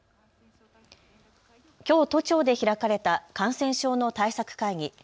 きょう都庁で開かれた感染症の対策会議。